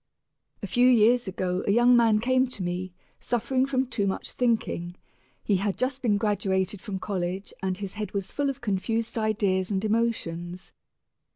A few years ago a young man came to me, suffering from too much thinking. He had just been graduated from college and his head was full of confused ideas and emotions.